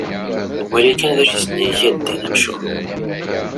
Wali kan d acu isen-yegga ddin amcum.